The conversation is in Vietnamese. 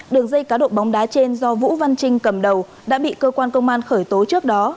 đường dây cá độ bóng đá trên do vũ văn trinh cầm đầu đã bị cơ quan công an khởi tố trước đó